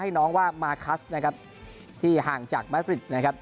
ให้น้องว่ามานะครับที่ห่างจากนะครับ